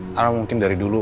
karena mungkin dari dulu